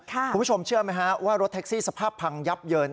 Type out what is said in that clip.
คุณผู้ชมเชื่อไหมฮะว่ารถแท็กซี่สภาพพังยับเยิน